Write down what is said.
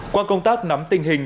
qua công tác nắm tình hình